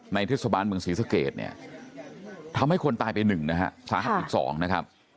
เทศบาลเมืองศรีสเกตเนี่ยทำให้คนตายไป๑นะฮะสาหัสอีก๒นะครับ